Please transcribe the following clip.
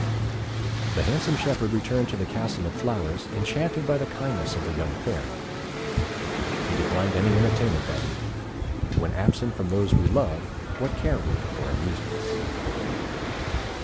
The handsome shepherd returned to the Castle of Flowers, enchanted by the kindness of the young Fairy. He declined any entertainment that evening. When absent from those we love, what care we for amusements!